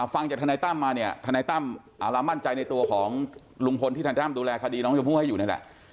ฟังจากทนายตั้มมาเนี่ยทนายตั้มอารมั่นใจในตัวของลุงพลที่ทนายตั้มดูแลคดีน้องชมพู่ให้อยู่นั่นแหละ